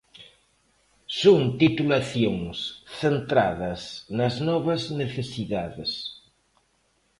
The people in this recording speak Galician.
Son titulacións centradas nas novas necesidades.